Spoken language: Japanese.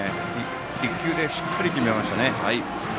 １球でしっかり決めましたね。